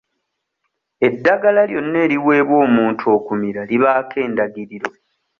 Eddagala lyonna eriweebwa omuntu okumira libaako endagiriro.